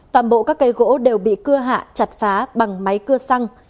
toàn bộ các cây gỗ đều bị cưa hạ chặt phá bằng máy cưa xăng